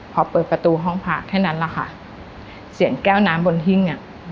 พอเปิดประตูห้องพระเท่านั้นแหละค่ะเสียงแก้วน้ำบนหิ้งเนี่ย